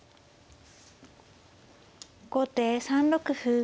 後手３六歩。